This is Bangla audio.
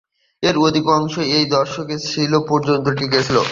এর অধিকাংশই এই দশকের শেষ পর্যন্ত টিকে ছিল।